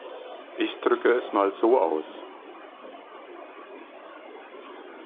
Ich drücke es mal so aus.